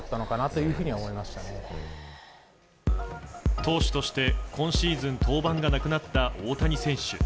投手として今シーズン登板がなくなった大谷選手。